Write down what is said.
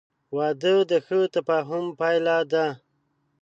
• واده د ښه تفاهم پایله ده.